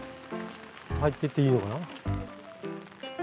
入ってっていいのかな。